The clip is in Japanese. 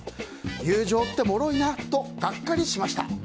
友情ってもろいなとガッカリしました。